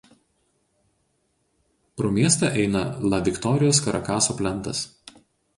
Pro miestą eina La Viktorijos–Karakaso plentas.